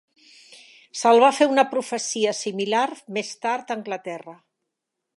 S'el va fer una profecia similar més tard a Anglaterra.